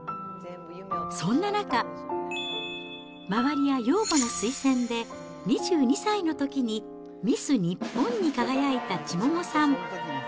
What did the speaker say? そんな中、周りや養母の推薦で、２２歳のときにミス日本に輝いた千桃さん。